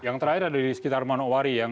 yang terakhir ada di sekitar manowari yang